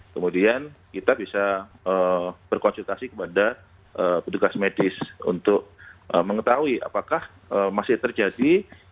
kemudian kita bisa berkonsultasi kepada petugas medis untuk mengetahui apakah masih terjadi